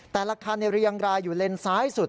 แต่ละคันเรียงรายอยู่เลนซ้ายสุด